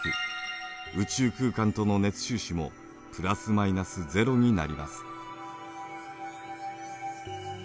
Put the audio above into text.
宇宙空間との熱収支もプラスマイナスゼロになります。